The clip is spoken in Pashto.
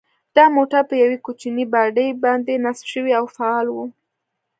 دا موټر په یوې کوچنۍ باډۍ باندې نصب شوی او فعال و.